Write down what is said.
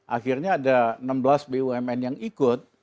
akhirnya ada enam belas bumn yang ikut